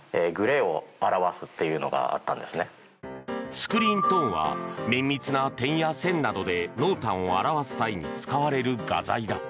スクリーントーンは綿密な点や線などで濃淡を表す際に使われる画材だ。